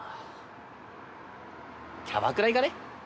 キャバクラ行かね？